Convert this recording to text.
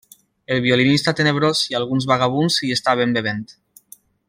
El Violinista Tenebrós i alguns vagabunds hi estan bevent.